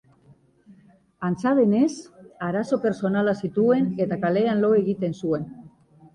Antza denez, arazo pertsonalak zituen eta kalean lo egiten zuen.